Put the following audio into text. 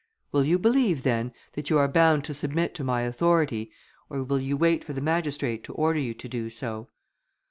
Will you believe, then, that you are bound to submit to my authority, or will you wait for the magistrate to order you to do so?"